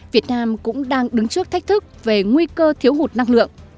việt nam cũng đang đứng trước thách thức về nguy cơ thiếu hụt năng lượng